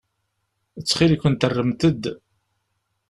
Ttxil-kent rremt-d.